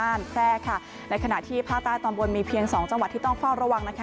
แพร่ค่ะในขณะที่ภาคใต้ตอนบนมีเพียงสองจังหวัดที่ต้องเฝ้าระวังนะคะ